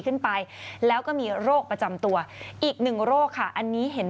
ขึ้นไปแล้วก็มีโรคประจำตัวอีกหนึ่งโรคค่ะอันนี้เห็น